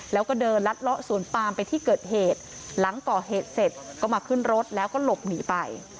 แล้วก็เดินลัดเลาะสวนปามไปที่เกิดเหตุหลังก่อเหตุเสร็จก็มาขึ้นรถแล้วก็หลบหนีไป